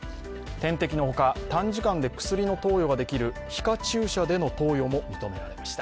点滴のほか、短時間で薬の投与ができる皮下注射での投与も認められました。